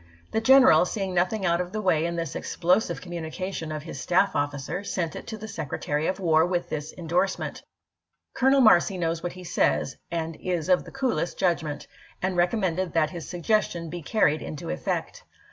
The general, seeing nothing out of the way in this explosive communication of his staff oflficer, sent it to the Secretary of War with this indorsement :" Colonel Marcy knows what he says, and is of the coolest judgment"; and recommended that his suggestion be carried into effect.